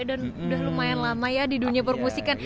dan udah lumayan lama ya di dunia permusikan